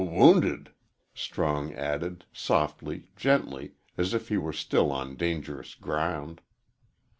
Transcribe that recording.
"W wownded," Strong, added, softly, gently, as if he were still on dangerous ground.